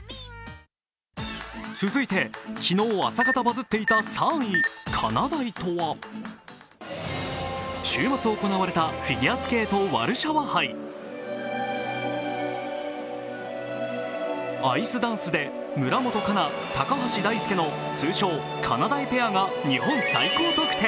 続いて昨日朝方バズっていた３位、かなだいとは？週末行われたフィギュアスケートワルシャワ杯アイスダンスで村元哉中、高橋大輔の通称・かなだいペアが日本最高得点。